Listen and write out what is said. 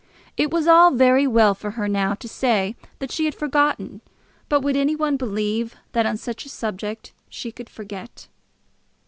It was all very well for her now to say that she had forgotten; but would any one believe that on such a subject she could forget?